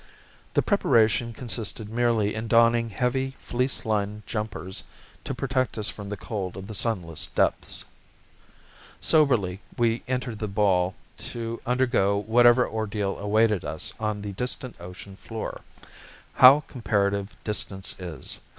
The preparation consisted merely in donning heavy, fleece lined jumpers to protect us from the cold of the sunless depths. Soberly we entered the ball to undergo whatever ordeal awaited us on the distant ocean floor. How comparative distance is!